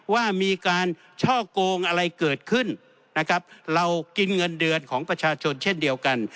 ว่ามีการช่อกงอะไรเกิดขึ้นนะครับเรากินเงินเดือนของประชาชนเช่นเดียวกัน